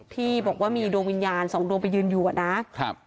ที่บอกว่ามีโดมวิญญาณ๒คนไปยืนอยู่